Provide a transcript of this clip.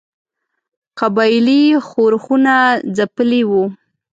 قبایلي ښورښونه ځپلي وه.